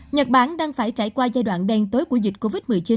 nhật bản đang phải trải qua giai đoạn đen tối của dịch covid một mươi chín